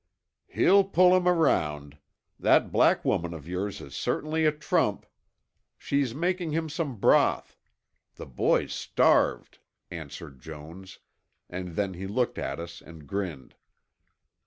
"He'll pull him around. That black woman of yours is certainly a trump. She's making him some broth. The boy's starved," answered Jones, then he looked at us and grinned.